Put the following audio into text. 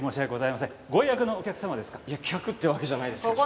いや客ってわけじゃないですけど。